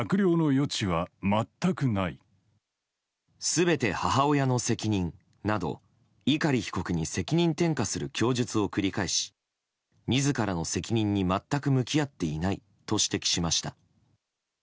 全て母親の責任など碇被告に責任転嫁する供述を繰り返し自らの責任に全く向き合っていないと指摘しました。